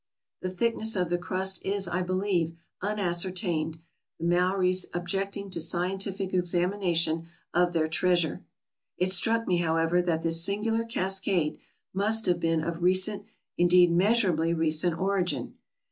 The thickness of the crust is, I believe, unascertained, the Maories objecting to scientific examination of their treasure. It struck me, however, that this singular cascade must have been of recent — indeed, measurably recent — origin.